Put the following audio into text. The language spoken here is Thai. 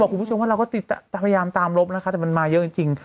คุณผู้ชมว่าเราก็พยายามตามลบนะคะแต่มันมาเยอะจริง